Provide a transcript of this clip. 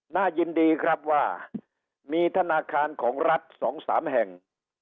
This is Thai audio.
น่ายินดีครับว่ามีธนาคารของรัฐ๒๓แห่ง